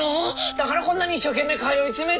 だからこんなに一生懸命通い詰めて。